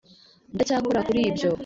ndacyakora kuri ibyo.